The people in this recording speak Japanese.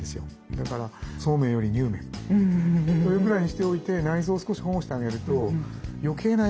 だからそうめんよりにゅうめんというぐらいにしておいて内臓を少し保護してあげると余計なエネルギー使いません。